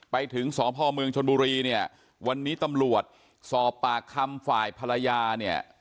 ไปถึงสพเมืองชนบุรีเนี่ยวันนี้ตำรวจสอบปากคำฝ่ายภรรยาเนี่ย